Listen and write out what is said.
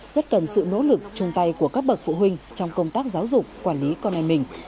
rất cần sự nỗ lực chung tay của các bậc phụ huynh trong công tác giáo dục quản lý con em mình